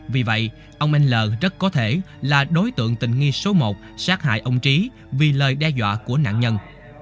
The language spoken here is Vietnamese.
vì vậy ông minh l rất có thể là đối tượng tình nghi số một sát hại ông trí vì lời đe dọa của nạn nhân